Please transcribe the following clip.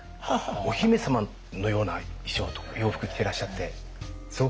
お姫様のような衣装とか洋服着てらっしゃってすごかったです。